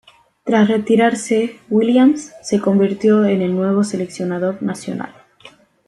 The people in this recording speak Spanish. Tras retirarse, Williams se convirtió en el nuevo seleccionador nacional.